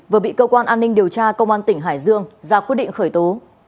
vừa bị cơ quan an ninh điều tra công an tỉnh hải dương ra quyết định khởi tố